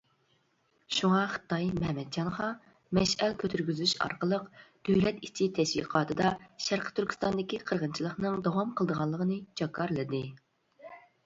شۇڭا خىتاي مەمەتجانغا مەشئەل كۆتۈرگۈزۈش ئارقىلىق، دۆلەت ئىچى تەشۋىقاتىدا، شەرقى تۈركىستاندىكى قىرغىنچىلىقىنىڭ داۋام قىلىدىغانلىقىنى جاكارلىدى.